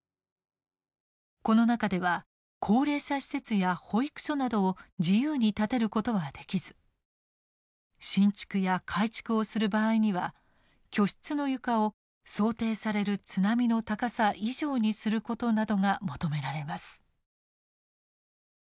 この中では高齢者施設や保育所などを自由に建てることはできず新築や改築をする場合には居室の床を想定される津波の高さ以上にすることなどが求められます。